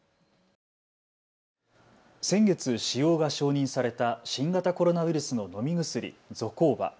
先月、使用が承認された新型コロナウイルスの飲み薬、ゾコーバ。